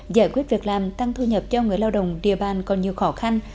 giải quyết việc làm tăng thu nhập cho người lao động địa bàn còn nhiều khó khăn